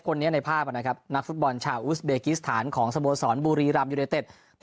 คนนี้ในภาพอ่ะนะครับนักศุดบอลชาวอุสเบกิสถานของสะบสอนบูรีรำยูในรัจไดท